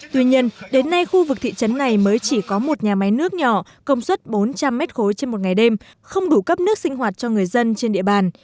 tuy nhiên đến nay khu vực thị trấn này mới chỉ có một nhà máy nước nhỏ công suất bốn trăm linh m ba trên một ngày đêm không đủ cấp nước sinh hoạt cho người dân trên địa bàn